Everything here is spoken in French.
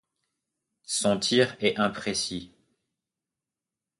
Son tir est imprécis.